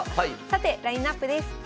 さてラインナップです。